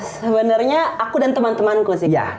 sebenarnya aku dan teman temanku sih kak